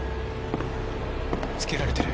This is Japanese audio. つけられてる。